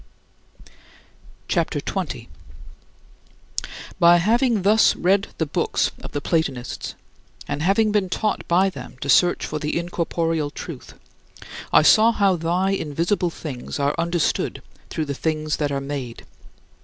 " CHAPTER XX 26. By having thus read the books of the Platonists, and having been taught by them to search for the incorporeal Truth, I saw how thy invisible things are understood through the things that are made.